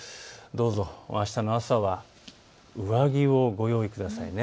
どうぞあしたの朝は上着をご用意ください。